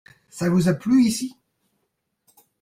Ça vous a plu ici ?